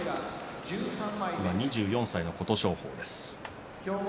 今２４歳の琴勝峰です。